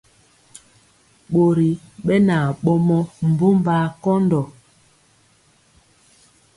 Ɓori ɓɛ na ɓomɔ mbumbaa kɔndɔ.